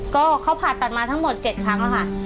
ก็เขาผ่าตัดมาทั้งหมด๗ครั้งแล้วค่ะ